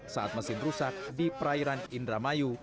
saat mesin rusak di perairan indramayu